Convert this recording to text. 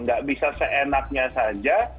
gak bisa seenaknya saja